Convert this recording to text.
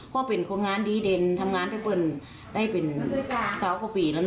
เพราะเป็นคนงานดีเด่นทำงานได้เป็นสาวกว่าปีแล้ว